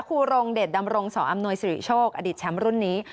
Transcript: ครูรงเดชดำรงสออำนวยสิริโชคอดีตแชมป์รุ่นนี้